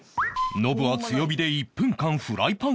ノブは強火で１分間フライパンを熱して